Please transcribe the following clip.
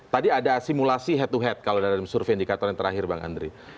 tadi ada simulasi head to head kalau dalam survei indikator yang terakhir bang andre